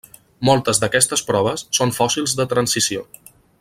Moltes d'aquestes proves són fòssils de transició.